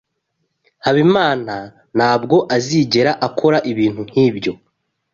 Habimana ntabwo azigera akora ibintu nkibyo.